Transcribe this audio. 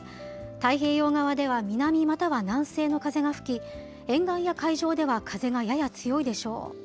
太平洋側では南、または南西の風が吹き、沿岸や海上では、風がやや強いでしょう。